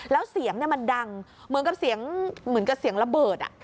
แล้วเสียงมันดังเหมือนกับเสียงระเบิด